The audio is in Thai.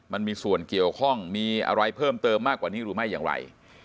มันมีส่วนเกี่ยวข้องมีอะไรเพิ่มเติมมากกว่านี้หรือไม่อย่างไร